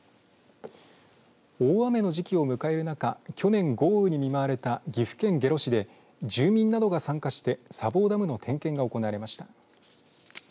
大雨の時期を迎える中去年、豪雨に見舞われた岐阜県下呂市で住民などが参加して砂防ダムの点検が行われました。